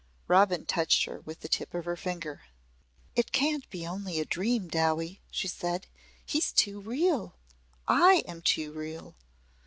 Robin touched her with the tip of her finger. "It can't be only a dream, Dowie," she said. "He's too real. I am too real.